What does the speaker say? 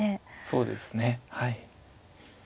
そうですねはい。